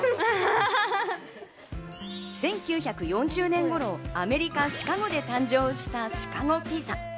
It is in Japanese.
１９４０年頃、アメリカ・シカゴで誕生したシカゴピザ。